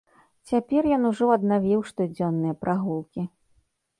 Цяпер ён ужо аднавіў штодзённыя прагулкі.